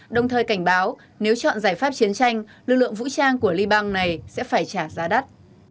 đồng thời cảnh báo nếu chọn giải pháp chiến tranh lực lượng vũ trang của liban này sẽ phải trả giá đắt